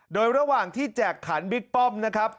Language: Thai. โดยระหว่างที่แจกขันบิ๊กป้อมนะครับ